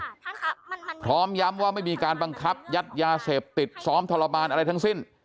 พร้อมครับพร้อมย้ำว่าไม่มีการบังคับยัดยาเสพติดซ้อมทรมานอะไรทั้งสิ้น